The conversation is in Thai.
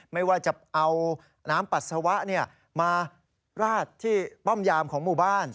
ไม่ว่าจะเอาน้ำปัสสาวะมาราดที่ป้อมยามของหมู่บ้าน